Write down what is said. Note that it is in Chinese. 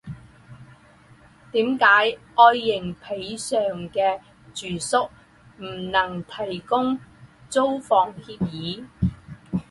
为什么爱迎彼上的住宿不能提供租房协议？